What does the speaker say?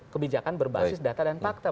kebijakan berbasis data dan fakta